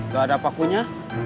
gak ada pakunya